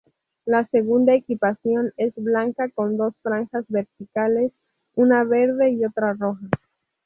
La segunda equipación es blanca con dos franjas verticales, una verde y otra roja.